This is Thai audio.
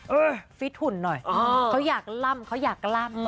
ฟิตหุ่นหน่อยเขาอยากล่ำเขาอยากล่ำ